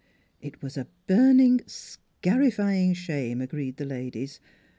It was a burning, scarifying shame, agreed the ladies.